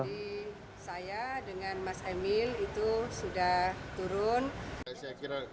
di saya dengan mas emil itu sudah turun